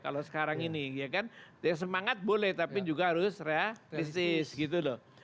kalau sekarang ini ya kan ya semangat boleh tapi juga harus realistis gitu loh